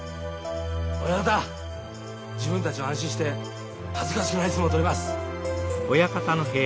親方自分たちは安心して恥ずかしくない相撲を取ります。